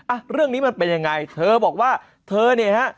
อ่ะเรื่องนี้มันเป็นยังไงเธอบอกว่าเธอเนี่ยฮะ